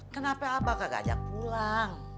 kenapa abah gak ajak pulang